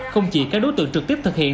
không chỉ các đối tượng trực tiếp thực hiện